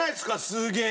すげえ。